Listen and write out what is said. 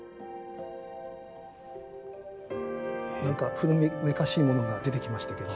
何か古めかしいものが出てきましたけど。